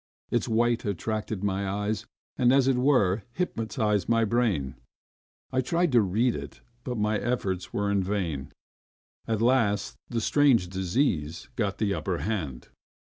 Its white attracted my eyes, and, as it were, hypnotised my brain. I tried to read it, but my efforts were in vain. At last the strange disease got the upper hand.